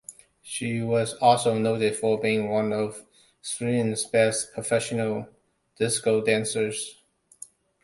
She was also noted for being one of Sweden's best professional disco dancers.